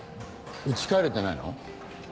家帰れてないの？